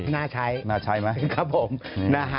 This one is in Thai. น่าใช้น่าใช้ไหมครับผมนะฮะ